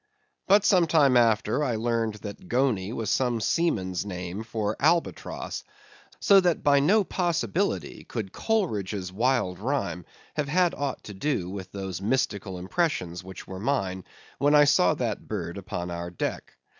But some time after, I learned that goney was some seaman's name for albatross. So that by no possibility could Coleridge's wild Rhyme have had aught to do with those mystical impressions which were mine, when I saw that bird upon our deck.